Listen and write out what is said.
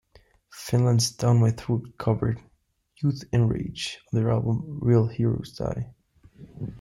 Finland's Down My Throat covered "Youth Enrage" on their album "Real Heroes Die.